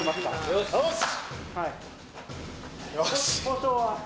よし！